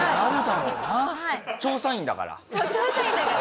そう調査員だから。